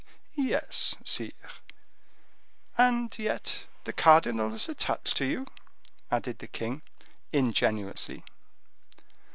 "Yes, sire." "And yet the cardinal was attached to you?" added the king, ingenuously.